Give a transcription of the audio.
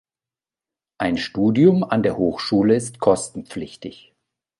Ein Studium an der Hochschule ist kostenpflichtig.